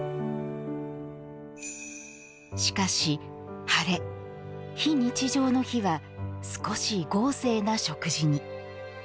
しかし、ハレ、非日常の日は少し豪勢な食事に。